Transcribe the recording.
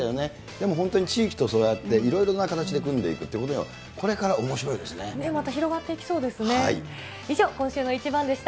でも本当に地域とそうやっていろいろな形で組んでいくということまた広がっていきそうですね。